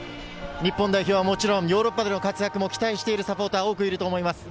日本代表はもちろんヨーロッパでの活躍も期待しているサポーターが多くいると思います。